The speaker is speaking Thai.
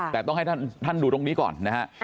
แต่ต้องให้ท่านดูตรงนี้ก่อนนะฮะ